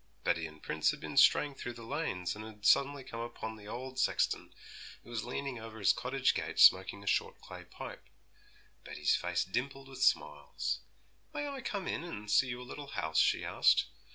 Betty and Prince had been straying through the lanes, and had suddenly come upon the old sexton, who was leaning over his cottage gate smoking a short clay pipe. Betty's face dimpled with smiles. 'May I come in and see your little house?' she asked.